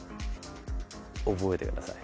覚えてください